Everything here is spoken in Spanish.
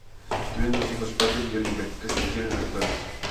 Tuvieron dos hijos, Patrick y Oliver, que se convirtieron en actores.